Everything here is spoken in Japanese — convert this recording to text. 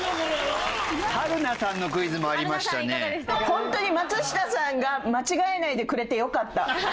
ほんとに松下さんが間違えないでくれてよかった。